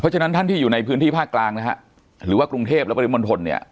ฉะนั้นท่านที่อยู่ในพื้นที่ภาคกลางนะฮะหรือว่ากรุงเทพและปริมณฑลเนี่ย